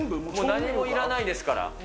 何もいらないですから。